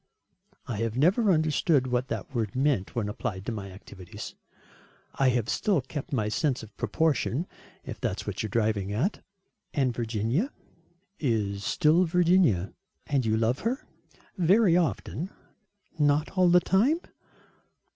"I have never understood what that word meant when applied to my activities. I have still kept my sense of proportion, if that is what you are driving at?" "And Virginia?" "Is still Virginia." "And you love her?" "Very often." "Not all the time?"